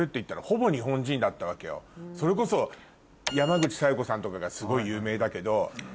それこそ山口小夜子さんとかがすごい有名だけど。